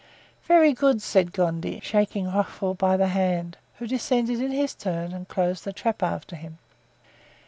"Very good," said Gondy, shaking Rochefort by the hand, who descended in his turn and closed the trap after him.